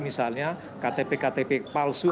misalnya ktp ktp palsu